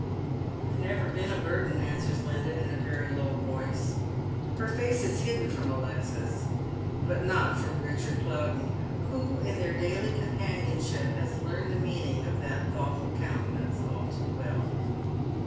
" You have never been a burden," answers Linda, in a very low voice. Her face is hidden from Alexis, but not from Ricliarvl Plowden, who in their daily companionship has learned the meaning of that thoughtful countenance all too well.